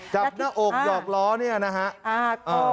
จับหน้าอกหยอกล้อเนี่ยนะฮะ